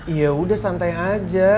iya udah santai aja